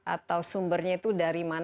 atau sumbernya itu dari mana